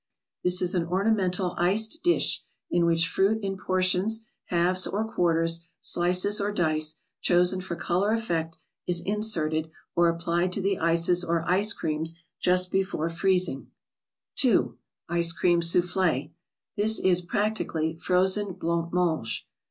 —This is an ornamental iced dish, in which fruit in portions, halves or quarters, slices or dice, chosen for color effect, is in¬ serted, or applied to the ices or ice creams just before freezing. 2. —ICE CREAM SOUFFLE.—This is, practically, frozen blanc mange.